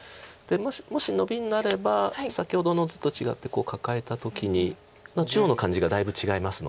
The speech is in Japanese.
もしノビになれば先ほどの図と違ってカカえた時に中央の感じがだいぶ違いますので。